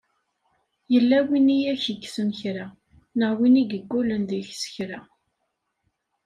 Yella win i ak-yekksen kra! Neɣ win i yeggulen deg-k s kra?